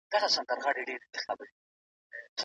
که په تعلیم کې اخلاص وي، نو خیانت نه وي.